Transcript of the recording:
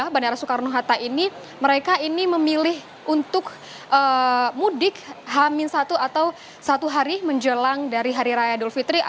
bandara soekarno hatta ini mereka ini memilih untuk mudik hamin satu atau satu hari menjelang dari hari raya idul fitri